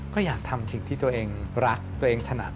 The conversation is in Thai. ก็อยากทำสิ่งที่ตัวเองรักตัวเองถนัด